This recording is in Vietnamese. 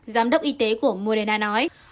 giám đốc y tế của moderna nói